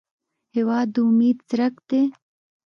هېواد د امید څرک دی.